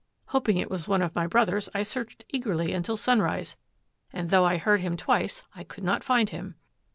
Hoping it was one of my brothers I searched eagerly until sunrise, and though I heard him twice I could not find him."